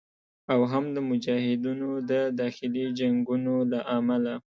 او هم د مجاهدینو د داخلي جنګونو له امله